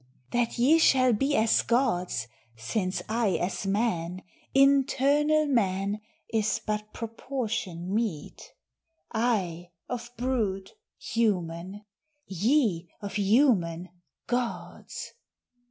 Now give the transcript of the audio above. That ye shall be as gods, since I as Man, Internal Man, is but proportion meet; I, of brute, human; ye, of human, gods.